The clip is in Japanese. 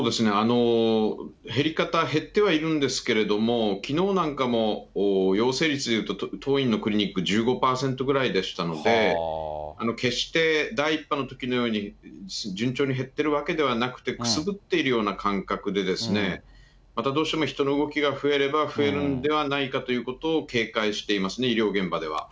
減り方、減ってはいるんですけれども、きのうなんかも陽性率でいうと、当院のクリニック１５％ぐらいでしたので、決して、第１波のときのように順調に減ってるわけではなくて、くすぶっているような感覚でですね、またどうしても人の動きが増えれば、増えるんではないかということを警戒していますね、医療現場では。